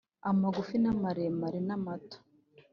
amagufi na maremare namato